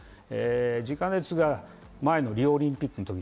ジカ熱が前のリオオリンピックの時。